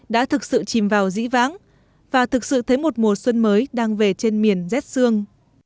đã thực sự chìm vào dĩ vãng và thực sự thấy một mùa xuân mới đang về trên miền rét xương